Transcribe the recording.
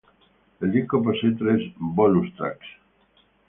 El disco posee tres "bonus tracks".